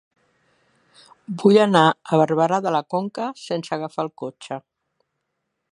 Vull anar a Barberà de la Conca sense agafar el cotxe.